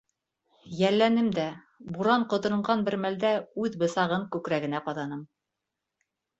Йәлләнем дә, буран ҡоторонған бер мәлдә үҙ бысағын күкрәгенә ҡаҙаным.